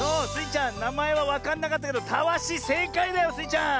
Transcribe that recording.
ちゃんなまえはわかんなかったけどタワシせいかいだよスイちゃん！